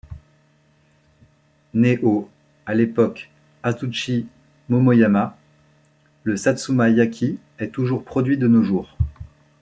Né au à l'époque Azuchi-Momoyama, le Satsuma-yaki est toujours produit de nos jours.